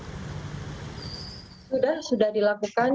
sudah sudah dilakukan